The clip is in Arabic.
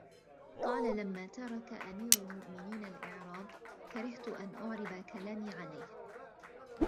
قَالَ لَمَّا تَرَكَ أَمِيرُ الْمُؤْمِنِينَ الْإِعْرَابَ كَرِهْت أَنْ أُعْرِبَ كَلَامِي عَلَيْهِ